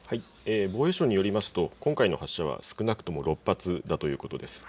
防衛省によりますと今回の発射は少なくとも６発だということです。